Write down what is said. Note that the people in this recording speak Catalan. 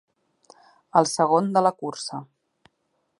El segon de la cursa.